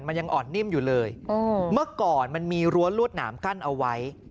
มันยังอ่อนนิ่มอยู่เลยเมื่อก่อนมันมีรั้วลวดหนามกั้นเอาไว้